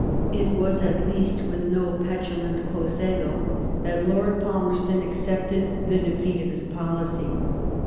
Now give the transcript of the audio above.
It was least with no petulant quos ego that Lord Palmerston accepted the defeat of his policy.